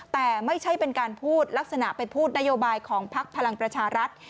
แต่ไม่ใช่เป็นการพูดลักษณะไปพูดนโยบายของพักพลังประชารัฐ